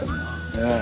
ええ。